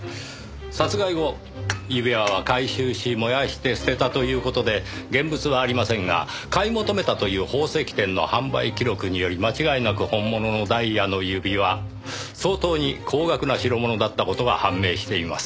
殺害後指輪は回収し燃やして捨てたという事で現物はありませんが買い求めたという宝石店の販売記録により間違いなく本物のダイヤの指輪相当に高額な代物だった事が判明しています。